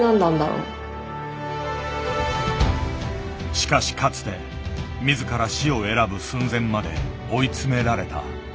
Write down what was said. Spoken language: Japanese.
しかしかつて自ら死を選ぶ寸前まで追い詰められた。